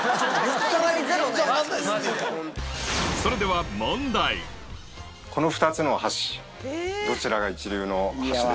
それではこの２つの箸どちらが一流の箸でしょうか？